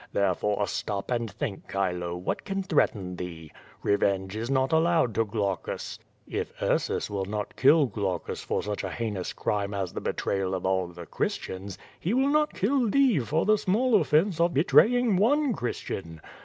There fore, stop and think, Chilo, what can threaten thee? Re venge is not allowed to Glaucus, If Ursus will not kill Glau cus for such a heinous crime as the betrayal of all tixe Chris tians, he will not kill thee for the small offence of betraying one Christian.